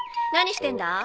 何してんだ？